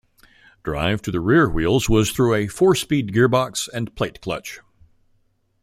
Drive to the rear wheels was through a four-speed gearbox and plate clutch.